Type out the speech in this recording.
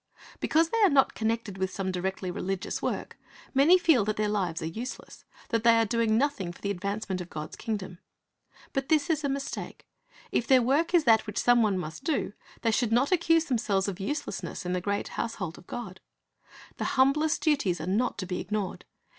Because they are not connected with some directly religious work, many feel that their lives are useless; that they are cioing nothing for the advancement of God's kingdom. But this is a mistake. If their work is that which some one must do, they should not accuse themselves of uselessness in the great household of God. The humblest duties, are not to be ignored.